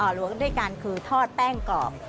อ๋อหลัวด้วยกันคือทอดแป้งกรอบ